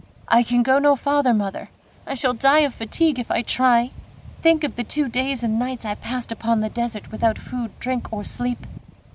"I can go no farther, mother, I shall die of fatigue if I try; think of the two days and nights I passed upon the desert, without food, drink or sleep."